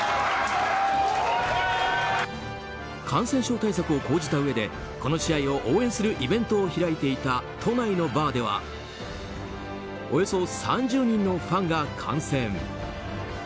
感染症対策を講じたうえでこの試合を応援するイベントを開いていた都内のバーではおよそ３０人のファンが観戦。